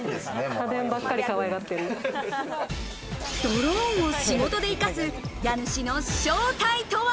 ドローンを仕事で生かす家主の正体とは？